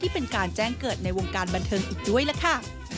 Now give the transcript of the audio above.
เป็นการแจ้งเกิดในวงการบันเทิงอีกด้วยล่ะค่ะ